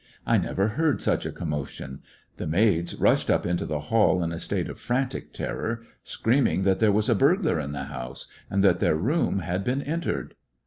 I never heard such a commo tion. The maids rushed up into the hall in a state of frantic terror, screaming that there was a burglar in the house, and that their room had been entered.